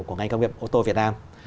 của ngành công nghiệp ô tô việt nam